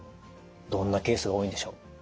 どんなケースが多いんでしょう？